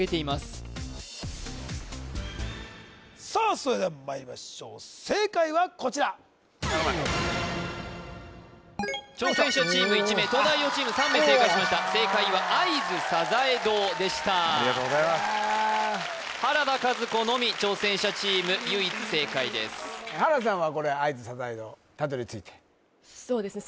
それではまいりましょう正解はこちら挑戦者チーム１名東大王チーム３名正解しました正解は会津さざえ堂でしたありがとうございます原田さんはこれ会津さざえ堂たどり着いてそうですね